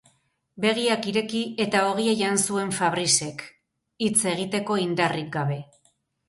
Begiak ireki, eta ogia jan zuen Fabricek, hitz egiteko indarrik gabe.